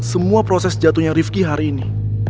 semua proses jatuhnya rifki hari ini